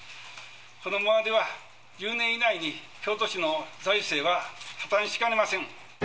このままでは１０年以内に京都市の財政は破綻しかねません。